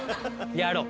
やろう。